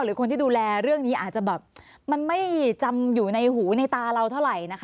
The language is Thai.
หรือคนที่ดูแลเรื่องนี้อาจจะแบบมันไม่จำอยู่ในหูในตาเราเท่าไหร่นะคะ